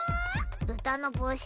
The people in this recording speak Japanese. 「豚の帽子」